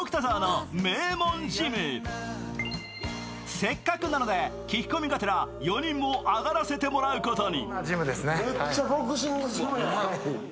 せっかくなので、聞き込みがてら４人も上がらせてもらうことに。